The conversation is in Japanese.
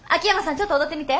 ちょっと踊ってみて。